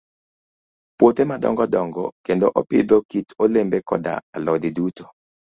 Puothe madongo dongo, kendo opidho kit olembe koda alode duto.